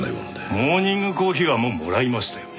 モーニングコーヒーはもうもらいましたよね？